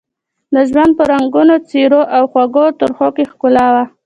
د ژوند په رنګونو، څېرو او خوږو او ترخو کې ښکلا وه.